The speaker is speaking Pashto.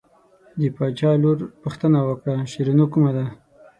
د باچا لور پوښتنه وکړه شیرینو کومه ده.